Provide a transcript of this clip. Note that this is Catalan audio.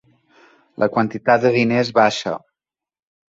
La quantitat de diners baixa.